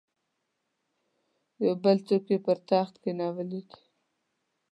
یو بل څوک یې پر تخت کښېنولی دی.